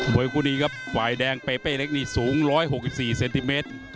วยคู่นี้ครับฝ่ายแดงเปเป้เล็กนี่สูง๑๖๔เซนติเมตร